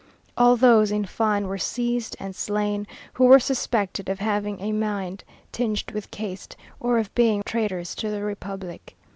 All those, in fine, were seized and slain who were suspected of having a mind tinged with caste, or of being traitors to the Republic.